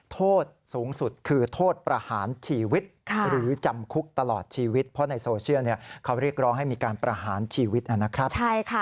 โทษสูงสุดคือโทษประหารชีวิตหรือจำคุกตลอดชีวิตเพราะในโซเชียลเขาเรียกร้องให้มีการประหารชีวิตนะครับ